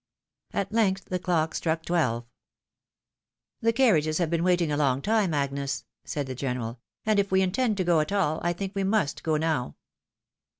At length the clock struck twelve. " The carriages have been waiting a long time, Agnes," said the general, " and, if we intend to go at all, I think we must go now."